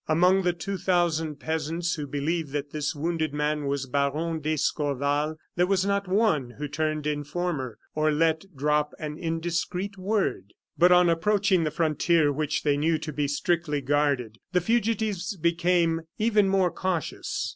Among the two thousand peasants who believed that this wounded man was Baron d'Escorval, there was not one who turned informer or let drop an indiscreet word. But on approaching the frontier, which they knew to be strictly guarded, the fugitives became even more cautious.